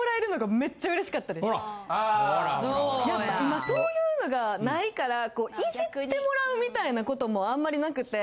今そういうのが無いからイジってもらうみたいなこともあんまり無くて。